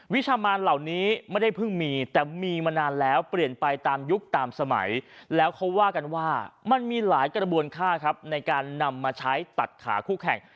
วิชามานเหล่านี้ไม่ได้เพิ่งมีแต่มีมานานแล้วเปลี่ยนไปตามยุคตามสมัยแล้วเขาว่ากันว่ามันมีหลายกระบวนค่าครับในการนำมาใช้ตัดขาคู่แข่ง